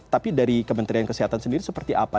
tapi dari kementerian kesehatan sendiri seperti apa